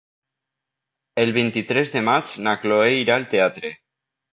El vint-i-tres de maig na Cloè irà al teatre.